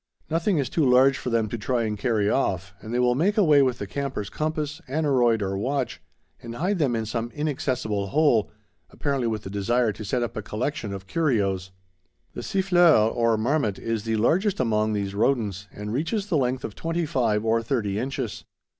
Nothing is too large for them to try and carry off, and they will make away with the camper's compass, aneroid, or watch, and hide them in some inaccessible hole, apparently with the desire to set up a collection of curios. The siffleur, or marmot, is the largest among these rodents, and reaches the length of twenty five or thirty inches.